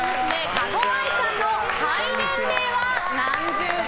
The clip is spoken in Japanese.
加護亜依さんの肺年齢は何十代？